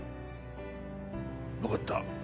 分かった